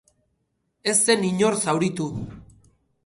Ez zen inor zauritu.